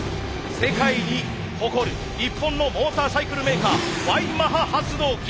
世界に誇る日本のモーターサイクルメーカーＹマハ発動機。